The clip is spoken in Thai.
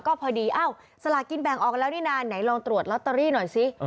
ก็พอดีเอ้าสลากินแบ่งออกแล้วนี่นานไหนลองตรวจลอตเตอรี่หน่อยสิ